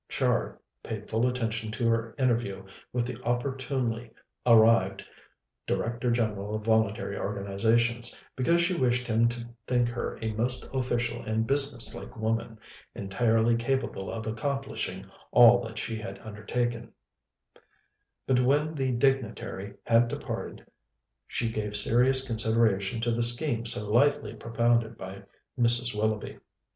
Char paid full attention to her interview with the opportunely arrived Director General of Voluntary Organizations, because she wished him to think her a most official and business like woman, entirely capable of accomplishing all that she had undertaken; but when the dignitary had departed she gave serious consideration to the scheme so lightly propounded by Mrs. Willoughby.